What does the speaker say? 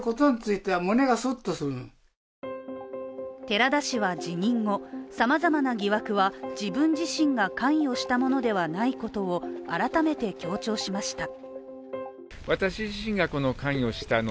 寺田氏は辞任後、さまざまな疑惑は自分自身が関与したものではないことを改めて強調しました。